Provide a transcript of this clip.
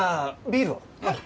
はい。